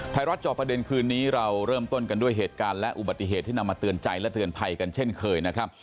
จอประเด็นคืนนี้เราเริ่มต้นกันด้วยเหตุการณ์และอุบัติเหตุที่นำมาเตือนใจและเตือนภัยกันเช่นเคยนะครับ